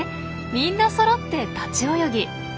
みんなそろって立ち泳ぎ。